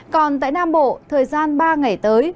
còn tại nam bộ thời gian ba ngày tới